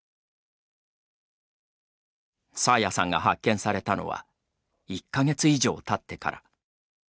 爽彩さんが、発見されたのは１か月以上たってから。